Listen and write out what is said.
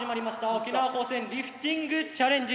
沖縄高専リフティングチャレンジ！